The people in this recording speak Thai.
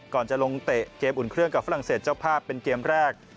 จะลงเตะเกมอุ่นเครื่องกับฝรั่งเศสเจ้าภาพเป็นเกมแรก